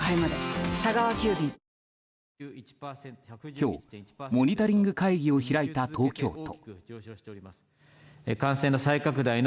今日、モニタリング会議を開いた東京都。